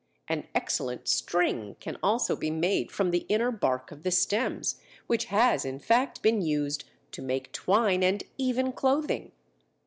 An excellent string can also be made from the inner bark of the stems, which has, in fact, been used to make twine and even clothing.